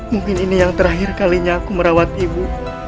mungkin ini yang terakhir kalinya aku merawat ibu